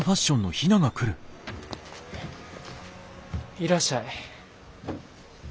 いらっしゃい。